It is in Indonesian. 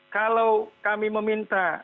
kalau kami meminta